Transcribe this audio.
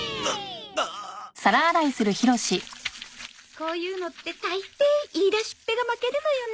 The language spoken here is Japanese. こういうのって大抵言い出しっぺが負けるのよね。